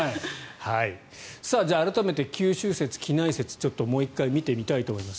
改めて九州説、畿内説もう１回見てみたいと思います。